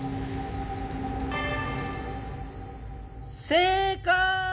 正解！